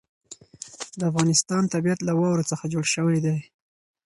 د افغانستان طبیعت له واورو څخه جوړ شوی دی.